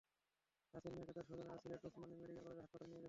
রাসেল মিয়াকে তাঁর স্বজনেরা সিলেট ওসমানী মেডিকেল কলেজ হাসপাতালে নিয়ে গেছেন।